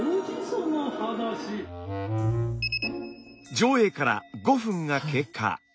上映から５分が経過。